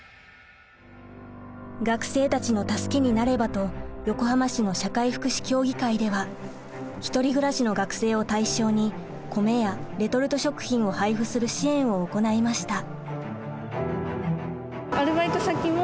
学生たちの助けになればと横浜市の社会福祉協議会では１人暮らしの学生を対象に米やレトルト食品を配布する支援を行いました。